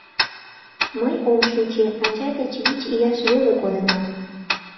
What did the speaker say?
Мый ом шинче: ачай деч вич ияш веле кодынам.